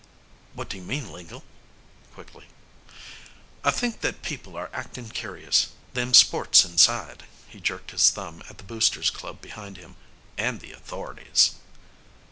"What do you mean, Lingle?" quickly. "I mean that people are actin' curious them sports inside " he jerked his thumb at the Boosters' Club behind him, "and the authorities."